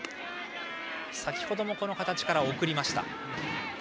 先程もこの形から送りました。